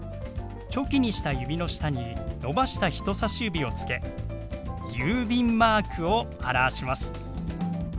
チョキにした指の下に伸ばした人さし指をつけ郵便マークを表します。